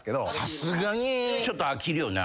さすがにちょっと飽きるよな。